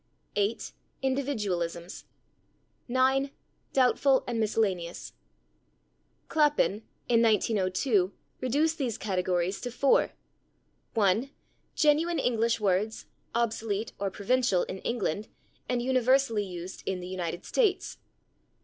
8. Individualisms. 9. Doubtful and miscellaneous. Clapin, in 1902, reduced these categories to four: 1. Genuine English words, obsolete or provincial in England, and universally used in the United States.